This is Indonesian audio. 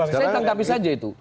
saya tangkapi saja itu